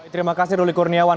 terima kasih ruli kurniawan